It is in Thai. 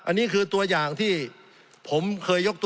สงบจนจะตายหมดแล้วครับ